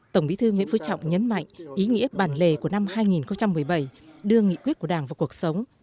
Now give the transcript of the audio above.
tổng bí thư nguyễn phú trọng nhấn mạnh ý nghĩa bản lề của năm hai nghìn một mươi bảy đưa nghị quyết của đảng vào cuộc sống